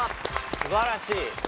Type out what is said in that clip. すばらしい。